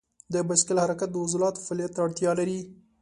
د بایسکل حرکت د عضلاتو فعالیت ته اړتیا لري.